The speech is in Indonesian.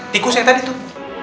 tikus yang tadi tuh